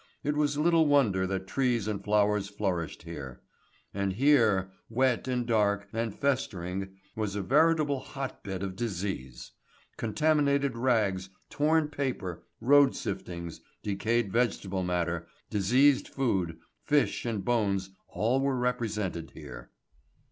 It was little wonder that trees and flowers flourished here. And here wet, and dark, and festering was a veritable hotbed of disease. Contaminated rags, torn paper, road siftings, decayed vegetable matter, diseased food, fish and bones all were represented here.